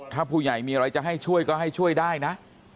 ถ้าผู้ใหญ่มีอะไรจะให้ช่วยก็ให้ช่วยได้นะ